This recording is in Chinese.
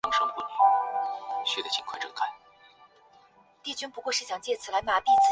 新西兰岩虾原属海螯虾科海螯虾属。